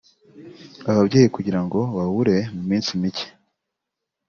ababyeyi kugira ngo ubabure mu minsi mike